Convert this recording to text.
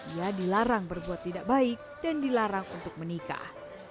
ia dilarang berbuat tidak baik dan dilarang untuk menikah